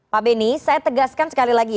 pak benny saya tegaskan sekali lagi ya